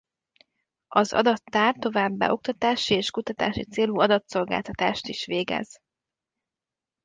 Az Adattár továbbá oktatási és kutatási célú adatszolgáltatást is végez.